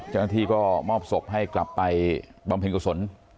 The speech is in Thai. จนที่ก็มอบศพให้กลับไปบำพินกุศล